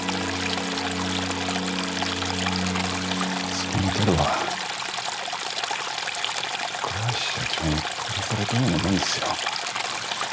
息子の輝は倉橋社長に殺されたようなもんですよ。